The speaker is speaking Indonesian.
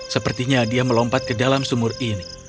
sepertinya dia melompat ke dalam sumur ini